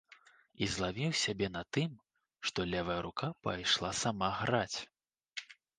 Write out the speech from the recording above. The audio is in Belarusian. І злавіў сябе на тым, што левая рука пайшла сама граць.